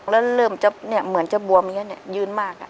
แล้วเริ่มจะเหมือนจะบวมอย่างนี้ยืนมาก